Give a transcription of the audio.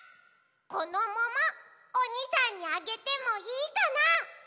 このももおにさんにあげてもいいかな？